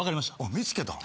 見つけたん？